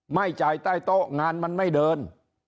ไม่จ่ายใต้โต๊ะงานมันไม่เดิน